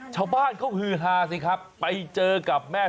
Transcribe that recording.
ชาวบ้านก็หล่าสิครับ